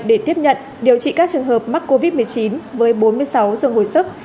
để tiếp nhận điều trị các trường hợp mắc covid một mươi chín với bốn mươi sáu dương hồi sức